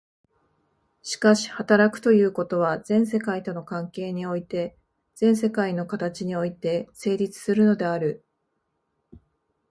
しかし働くということは、全世界との関係において、全世界の形において成立するのである。